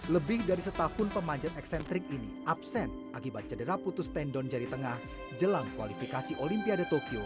lebih dari setahun pemanjat eksentrik ini absen akibat cedera putus tendon jari tengah jelang kualifikasi olimpiade tokyo dua ribu dua puluh lalu